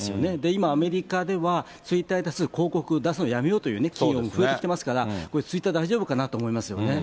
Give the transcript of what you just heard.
今、アメリカでは、ツイッターに広告を出すのやめようというツイートも増えてきてますから、ツイッター、大丈夫かなと思いますよね。